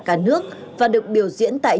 cả nước và được biểu diễn tại